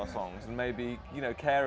dan mungkin anda tahu penjaga